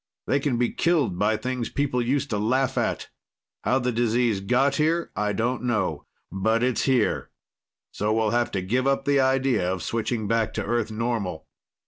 They can be killed by things people used to laugh at. How the disease got here, I don't know. But it's here. So we'll have to give up the idea of switching back to Earth normal."